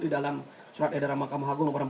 di dalam surat edaran mahkamah agung nomor empat